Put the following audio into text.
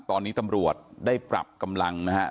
ตอนนี้ตำรวจได้ปรับกำลังนะฮะ